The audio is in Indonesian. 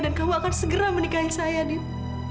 dan kamu akan segera menikahi saya dit